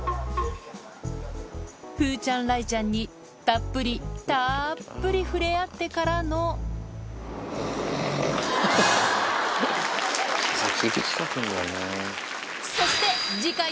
風ちゃん雷ちゃんにたっぷりたっぷり触れ合ってからのそして次回